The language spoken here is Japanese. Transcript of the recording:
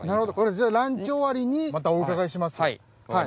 じゃあランチ終わりにまたお伺いします。